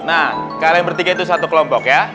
nah kalian bertiga itu satu kelompok ya